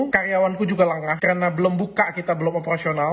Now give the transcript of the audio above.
karyawanku juga lengah karena belum buka kita belum operasional